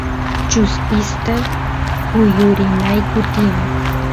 chuspista kuyurinayku tiyan